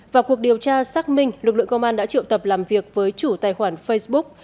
vào cuộc điều tra xác minh lực lượng công an đã triệu tập làm việc với chủ tài khoản facebook